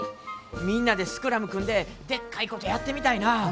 みんなでスクラム組んででっかいことやってみたいなぁ。